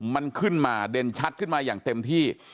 มันขึ้นมาเด่นชัดขึ้นมาอย่างเต็มที่